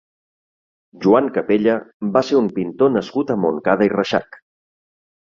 Joan Capella va ser un pintor nascut a Montcada i Reixac.